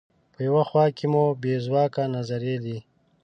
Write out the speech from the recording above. په یوه خوا کې مو بې ژواکه نظریې دي.